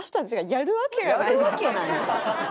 やるわけないやん。